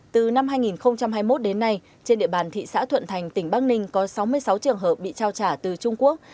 từ năm hai nghìn hai mươi một đến nay trên địa bàn thị xã thuận thành tỉnh bắc ninh có sáu mươi sáu trường hợp bị trao trả từ trung quốc